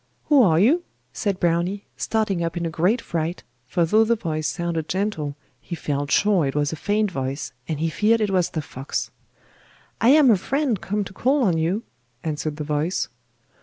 'Who are you?' said Browny, starting up in great fright, for though the voice sounded gentle, he felt sure it was a feigned voice, and he feared it was the fox. 'I am a friend come to call on you,' answered the voice.